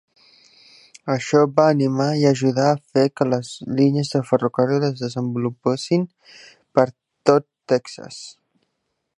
Això va animar i ajudar a fer que les línies de ferrocarril es desenvolupessin per tot Texas.